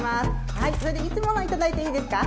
はいそれではいつものいただいていいですか？